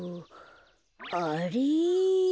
あれ？